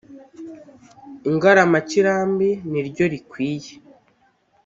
ingaramakirambi ni ryo rikwiye,